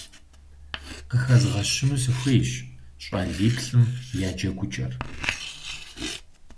Къыхэзгъэщыну сыхуейщ щӏалиплӏым я джэгукӏэр.